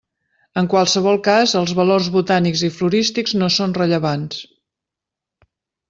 En qualsevol cas, els valors botànics i florístics no són rellevants.